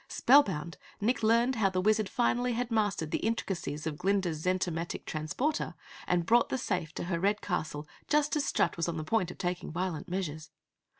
Spellbound, Nick learned how the Wizard finally had mastered the intricacies of Glinda's zentomatic transporter and brought the safe to her red castle just as Strut was on the point of taking violent measures.